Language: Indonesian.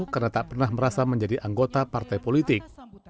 karena tak pernah merasa menjadi anggota partai politik